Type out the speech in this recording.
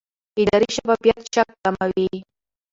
اداري شفافیت شک کموي